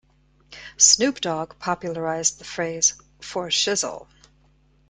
Snoop Dog popularized the phrase "For shizzle".